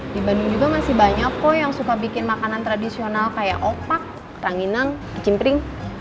di bandung juga masih banyak kok yang suka bikin makanan tradisional kayak opak ranginang kecimpring